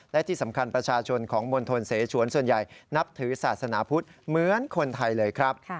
และที่สำคัญประชาชนของมณฑลเสชวนส่วนใหญ่นับถือศาสนาพุทธเหมือนคนไทยเลยครับ